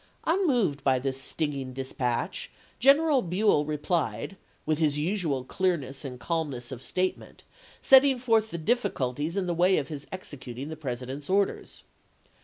Un moved by this stinging dispatch, General Buell re plied, with his usual clearness and calmness of statement, setting forth the difficulties in the way of his executing the President's orders.